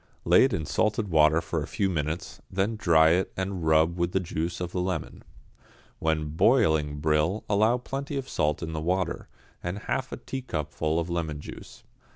Lay it in salted water for a few minutes, then dry it and rub with the juice of a lemon. When boiling brill allow plenty of salt in the water, and half a teacupful of lemon juice.